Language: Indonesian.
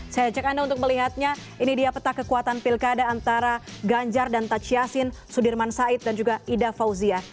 saya ajak anda untuk melihatnya ini dia peta kekuatan pilkada antara ganjar dan taj yassin sudirman said dan juga ida fauzia